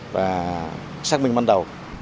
và xác định ban đầu